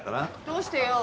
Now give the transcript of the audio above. どうしてよ？